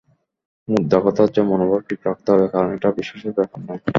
মোদ্দা কথা হচ্ছে, মনোভাব ঠিক রাখতে হবে, কারণ এটা বিশ্বাসের ব্যাপার নয়।